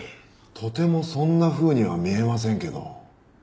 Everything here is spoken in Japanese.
とてもそんなふうには見えませんけど。